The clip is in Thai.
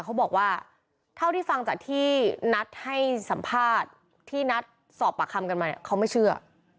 เขาบอกว่าเท่าที่ฟังจากที่นัดให้สัมภาษณ์ที่นัดสอบปากคำกันมาเนี่ยเขาไม่เชื่อ